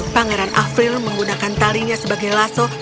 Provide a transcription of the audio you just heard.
pangeran afril menggunakan talinya sebagai laso